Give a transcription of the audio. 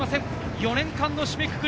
４年間の締めくくり。